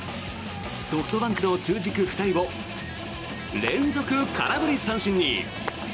ソフトバンクの中軸２人を連続空振り三振に。